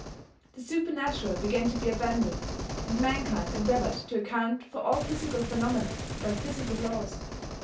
The supernatural began to be abandoned, and mankind endeavored to account for all physical phenomena by physical laws.